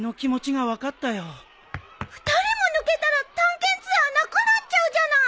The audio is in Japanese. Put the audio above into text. ２人も抜けたら探検ツアーなくなっちゃうじゃない！